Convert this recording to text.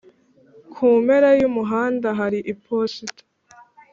ku mpera yumuhanda hari iposita.